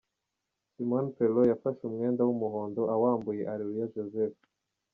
Simon Pelaud yafashe umwenda w'umuhondo awambuye Areruya Joseph.